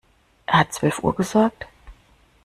Er hat zwölf Uhr gesagt?